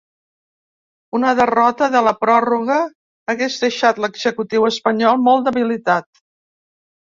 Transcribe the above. Una derrota de la pròrroga hagués deixat l’executiu espanyol molt debilitat.